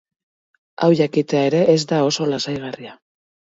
Hau jakitea ere ez da oso lasaigarria.